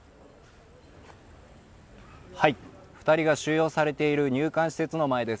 ２人が収容されている入管施設の前です。